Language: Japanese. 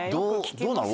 どうなの？